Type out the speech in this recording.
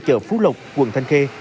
chợ phú lộc quận thanh khê